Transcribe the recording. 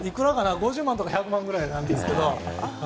５０万とか１００万くらいなんですけど。